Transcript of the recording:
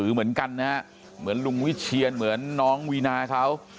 เหมือนกันนะฮะเหมือนลุงวิเชียนเหมือนน้องวีนาเขา